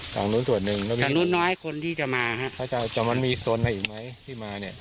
ตรงนู้นส่วนนึงตรงนู้นน้อยคนที่จะมาฮะแต่มันมีโซนไหนอีกไหมที่มาเนี้ย